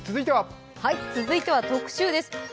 続いては特集です。